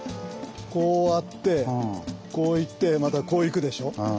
こうあってこう行ってまたこう行くでしょ。